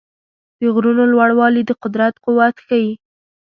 د غرونو لوړوالي د قدرت قوت ښيي.